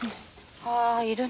あー、いるね。